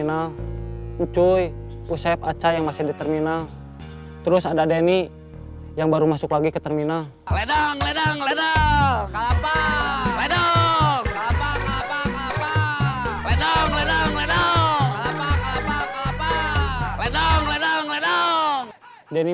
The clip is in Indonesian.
apa yang terjadi